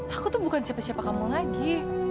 aku tuh bukan siapa siapa kamu lagi